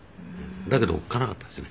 だけどおっかなかったですね。